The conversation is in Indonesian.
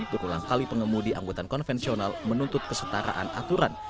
berulang kali pengemudi angkutan konvensional menuntut kesetaraan aturan